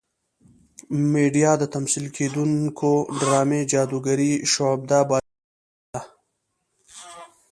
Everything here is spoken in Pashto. میډیا د تمثیلېدونکې ډرامې جادوګرې شعبده بازۍ ته ورته ده.